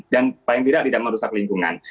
dan paling tidak tidak merusak lingkungan